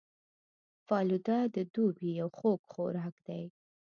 فالوده د دوبي یو خوږ خوراک دی